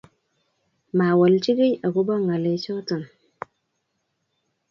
mawalchi kii ako ba ngalek choton